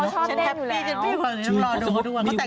เขาชอบเด้นอยู่แล้วจริงหลังนี้ต้องรอดู